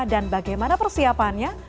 dan bagaimana persiapannya